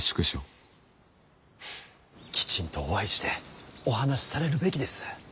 きちんとお会いしてお話しされるべきです。